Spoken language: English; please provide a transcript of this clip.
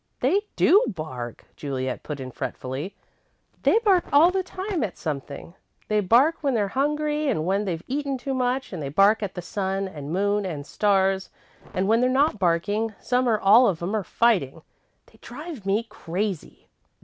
"They do bark," Juliet put in fretfully. "They bark all the time at something. They bark when they're hungry and when they've eaten too much, and they bark at the sun and moon and stars, and when they're not barking, some or all of 'em are fighting. They drive me crazy."